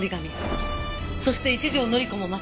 そして一条典子もまた。